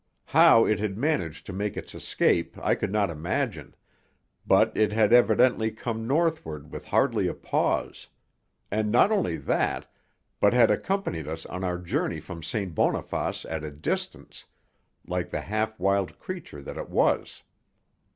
How it had managed to make its escape I could not imagine; but it had evidently come northward with hardly a pause; and not only that, but had accompanied us on our journey from St. Boniface at a distance, like the half wild creature that it was.